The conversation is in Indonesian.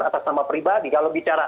atas nama pribadi kalau bicara